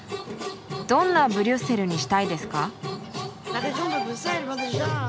どんなブリュッセルにしたいですか？